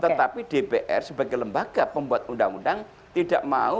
tetapi dpr sebagai lembaga pembuat undang undang tidak mau